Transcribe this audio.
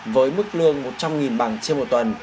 với mức lương một trăm linh bằng trên một tuần